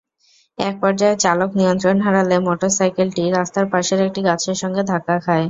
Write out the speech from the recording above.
একপর্যায়ে চালক নিয়ন্ত্রণ হারালে মোটরসাইকেলটি রাস্তার পাশের একটি গাছের সঙ্গে ধাক্কা খায়।